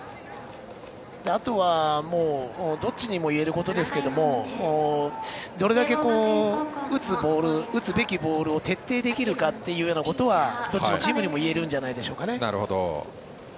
あとはどっちにも言えることですがどれだけ打つべきボールを徹底できるかということはどっちのチームにもいえるんじゃないでしょうか。